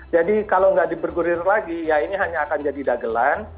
jadi kalau nggak di bergulir lagi ya ini hanya akan jadi dagelan